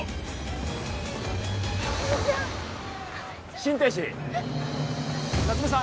心停止夏梅さん